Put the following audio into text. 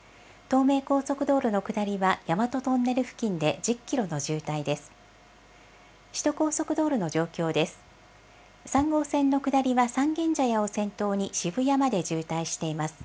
東名高速道路の下りは大和トンネル付近で１０キロの渋滞です。